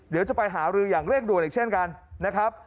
เดี๋ยวจะไปหารืออย่างเร่งด่วนอีกเช่นกันนะครับ